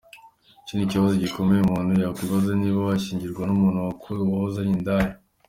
Iki ni ikibazo gikomeye umuntu yakwibaza niba washyingirwa n’umuntu wahoze ari indaya.